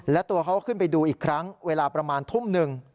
และตัวเขาก็ขึ้นไปดูอีกครั้งเวลาประมาณทุ่มหนึ่ง